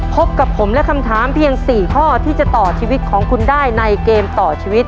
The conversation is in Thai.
พบกับผมและคำถามเพียง๔ข้อที่จะต่อชีวิตของคุณได้ในเกมต่อชีวิต